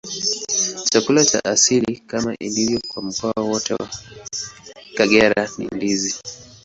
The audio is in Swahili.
Chakula cha asili, kama ilivyo kwa mkoa wote wa Kagera, ni ndizi.